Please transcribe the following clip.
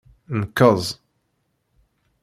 Nkeẓ.